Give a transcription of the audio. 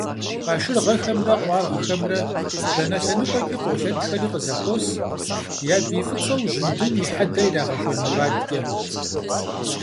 Къашыргъэхэмрэ къуаргъхэмрэ дэнэ лъэныкъуэкӀи къолъэтэхри къызэхуос, я бий фӀыцӀэу жьындум и хьэдэ ирагъэхуэн мурадкӀэ.